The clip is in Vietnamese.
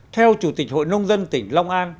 theo chủ tịch hội nông dân tỉnh long an